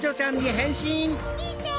みて！